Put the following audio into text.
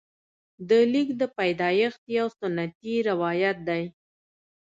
د لیک د پیدایښت یو سنتي روایت دی.